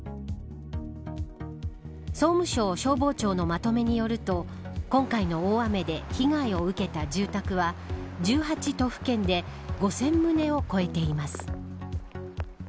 総務省消防庁のまとめによると今回の大雨で被害を受けた住宅は１８都府県で５０００棟を超えています。